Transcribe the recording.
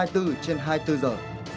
hai mươi bốn trên hai mươi bốn giờ